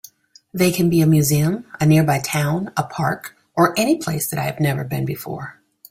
They can be a museum, a nearby town, a park, or any place that I have never been before.